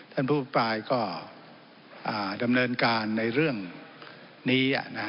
ท่านผู้อภิปรายก็ดำเนินการในเรื่องนี้